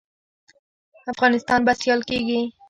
افغانستان به سیال کیږي؟